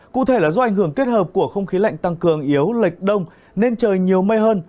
cụ thể là do ảnh hưởng kết hợp của không khí lạnh tăng cường yếu lệch đông nên trời nhiều mây hơn